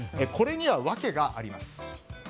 これには訳があります。